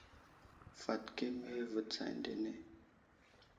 Fat keme ve tsa eŋdene ?